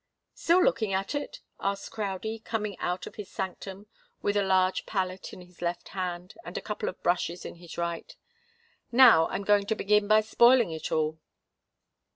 "Still looking at it?" asked Crowdie, coming out of his sanctum with a large palette in his left hand, and a couple of brushes in his right. "Now I'm going to begin by spoiling it all."